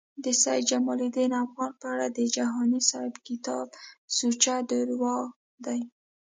د سید جمالدین افغان په اړه د جهانی صیب کتاب سوچه درواغ دی